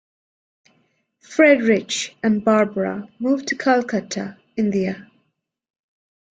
Friedrich and Barbara moved to Calcutta, India.